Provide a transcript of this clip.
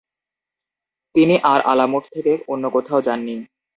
তিনি আর আলামুট থেকে অন্য কোথাও যাননি।